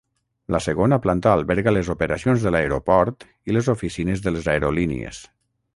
La segona planta alberga les operacions de l'aeroport i les oficines de les aerolínies.